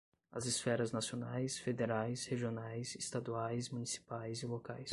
As esferas nacionais, federais, regionais, estaduais, municipais e locais